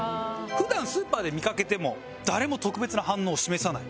普段スーパーで見かけても誰も特別な反応を示さない。